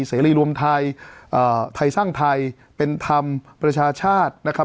เสรีรวมไทยไทยสร้างไทยเป็นธรรมประชาชาตินะครับ